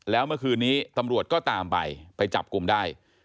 แล้วเมื่อคืนนี้ตำรวจก็ตามไปไปจับกลุ่มได้